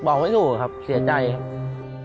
ไม่ถูกครับเสียใจครับ